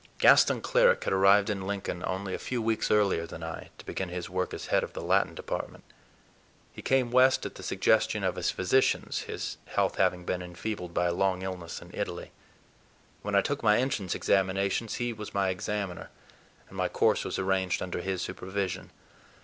Gaston Cleric had arrived in Lincoln only a few weeks earlier than I, to begin his work as head of the Latin Department. He came West at the suggestion of his physicians, his health having been enfeebled by a long illness in Italy. When I took my entrance examinations he was my examiner, and my course was arranged under his supervision.